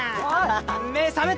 目覚めた？